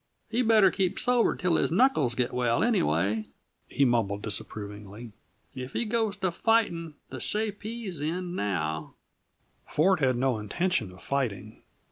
"He better keep sober till his knuckles git well, anyway," he mumbled disapprovingly. "If he goes to fighting, the shape he's in now " Ford had no intention of fighting.